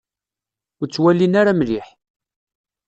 Ur ttwalin ara mliḥ.